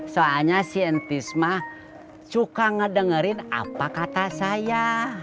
soalnya si entis mah suka ngedengerin apa kata saya